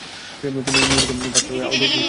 তিনি নিজেকে পাদশাহ-ই-আওধ ঘোষণা করেন।